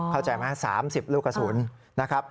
เข้าใจไหม๓๐ลูกกระสุน